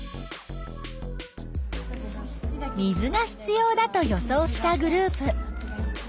水が必要だと予想したグループ。